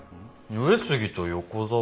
上杉と横沢？